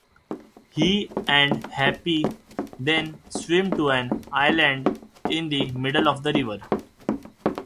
He and Happy then swim to an island in the middle of the river.